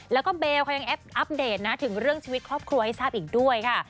แล้วก็เบลค่ะยังแอปอัปเดตนะถึงเรื่องชีวิตครอบครัวให้ทราบอีกด้วยค่ะ